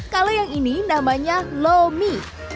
kalau yang ini namanya lomi